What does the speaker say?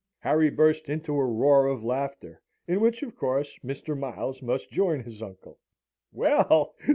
Harry burst into a roar of laughter (in which, of course, Mr. Miles must join his uncle). "Well!"